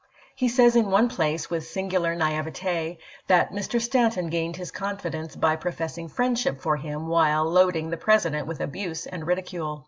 He says in one place, with singular naivete, that Mr. Stanton gained his confidence " McClel by professing friendship for him while loading the lan s own President with abuse and ridicule.